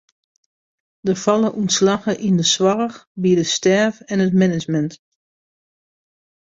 Der falle ûntslaggen yn de soarch, by de stêf en it management.